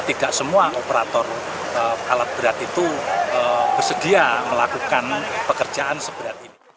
tidak semua operator alat berat itu bersedia melakukan pekerjaan seberat ini